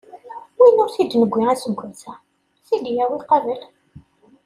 Win ur t-id-newwi aseggas-a, ad t-id-yawi qabel.